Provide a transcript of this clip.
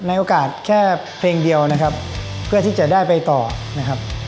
โอกาสแค่เพลงเดียวนะครับเพื่อที่จะได้ไปต่อนะครับ